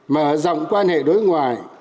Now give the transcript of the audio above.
mở rộng quan hệ đối ngoại